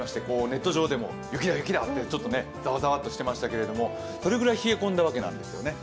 ネット上でも雪だ、雪だってざわざわっとしていましたけれどもそれぐらい冷え込んだわけなんですよね。